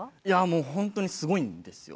本当に、すごいんですよ。